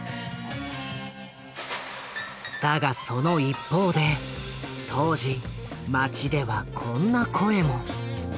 だがその一方で当時街ではこんな声も。